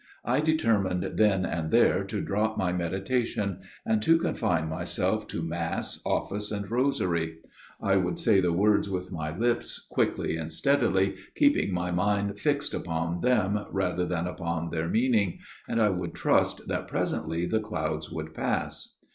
I determined then and there to drop my medita tion, and to confine myself to Mass, office, and rosary. I would say the words with my lips, quickly and steadily, keeping my mind fixed upon them rather than upon their meaning ; and I would trust that presently the clouds would pass.